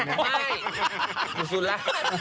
ไม่สุดสุดละ